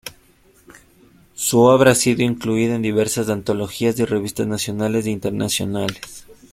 Su obra ha sido incluida en diversas antologías y revistas nacionales e internacionales.